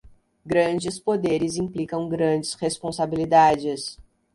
Grandes poderes implicam grandes responsabilidades.